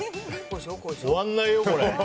終わんないよ、これ。